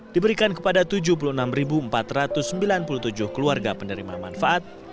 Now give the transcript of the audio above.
diberikan kepada tujuh puluh enam empat ratus sembilan puluh tujuh keluarga penerima manfaat